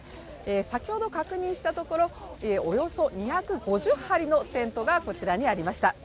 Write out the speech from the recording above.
先ほど確認したところ、およそ２５０張りのテントがありました。